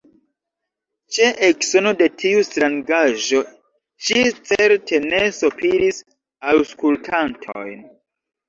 Ĉe eksono de tiu strangaĵo ŝi certe ne sopiris aŭskultantojn.